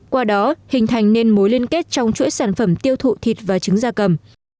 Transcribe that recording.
qua đó hình thành nên mối liên kết trong chuỗi sản phẩm tiêu thụ thịt và trứng da cầm